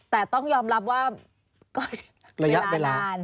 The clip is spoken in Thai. แต่ต้องยอมรับว่าก็ระยะเวลานาน